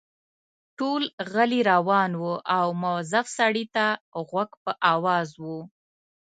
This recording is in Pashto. ټول غلي روان وو او مؤظف سړي ته غوږ په آواز وو.